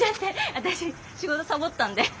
私仕事サボったんで。